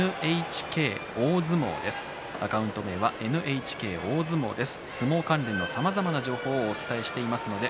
アカウント名はＮＨＫ大相撲です。